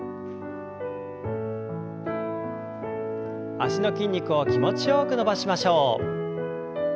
脚の筋肉を気持ちよく伸ばしましょう。